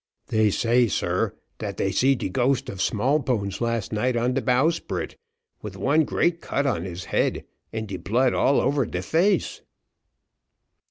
"They say, sir, dat dey see de ghost of Smallbones last night on de bowsprit, with one great cut on his head, and de blood all over de face."